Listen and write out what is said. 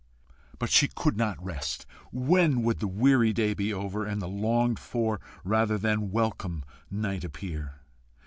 But she could not rest. When would the weary day be over, and the longed for rather than welcome night appear?